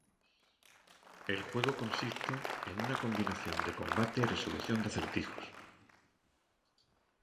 El juego consiste en un combinación de combate y resolución de acertijos.